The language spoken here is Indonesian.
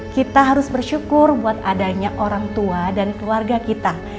kita harus bersyukur buat adanya orang tua dan keluarga kita